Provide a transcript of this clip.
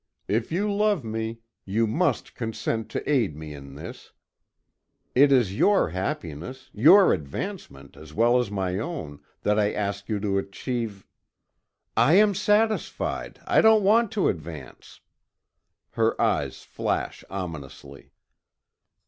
If you love me, you must consent to aid me in this. It is your happiness, your advancement as well as my own, that I ask you to achieve " "I am satisfied. I don't want to advance." Her eyes flash ominously.